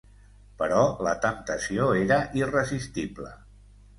Però la temptació era irresistible.